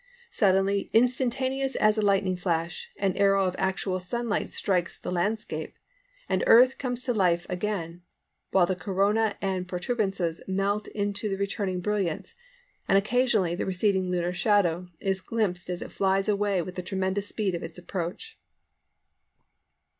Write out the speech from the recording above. Suddenly, instantaneous as a lightning flash, an arrow of actual sunlight strikes the landscape, and Earth comes to life again, while corona and protuberances melt into the returning brilliance, and occasionally the receding lunar shadow is glimpsed as it flies away with the tremendous speed of its approach."